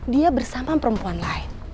dia bersama perempuan lain